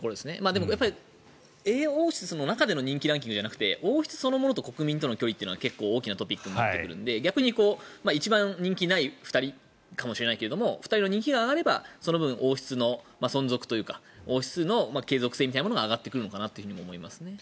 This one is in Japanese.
でも、英王室の中での人気ランキングじゃなくて王室と国民との距離そのものが大きなトピックになってくるので逆に一番人気がない２人かもしれないけども２人の人気が上がればその分、王室の存続というか王室の継続性も上がってくるのかなと思いますね。